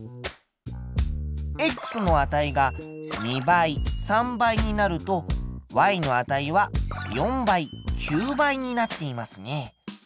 の値が２倍３倍になるとの値は４倍９倍になっていますね。